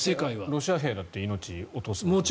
ロシア兵だって命を落とすわけですからね。